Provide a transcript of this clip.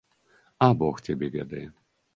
А бог цябе ведае.